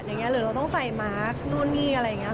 หรือเราต้องใส่มาร์คนู่นนี่อะไรอย่างนี้